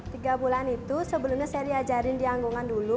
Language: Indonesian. tiga bulan itu sebelumnya saya diajarin di anggungan dulu